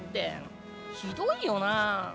ひどいよなー。